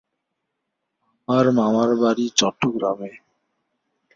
আমার মামার বাড়ি চট্টগ্রামে।